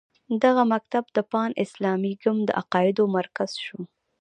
دغه مکتب د پان اسلامیزم د عقایدو مرکز شو.